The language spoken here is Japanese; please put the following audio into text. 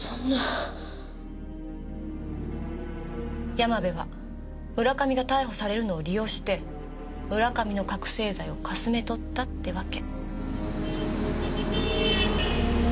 山部は村上が逮捕されるのを利用して村上の覚せい剤をかすめ取ったってわけ。